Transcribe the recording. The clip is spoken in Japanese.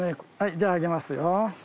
じゃあげますよ。